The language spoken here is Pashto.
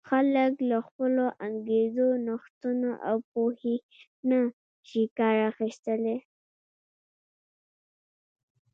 خلک له خپلو انګېزو، نوښتونو او پوهې نه شي کار اخیستلای.